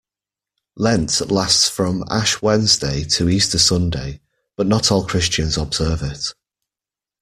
Lent lasts from Ash Wednesday to Easter Sunday, but not all Christians observe it.